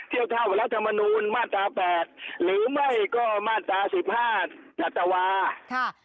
ที่เท่ารัฐมนุนมาตราแปดหรือไม่ก็มาตราสิบห้าดัตวา